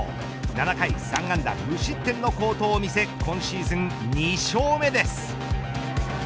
７回３安打無失点の好投を見せ今シーズン２勝目です。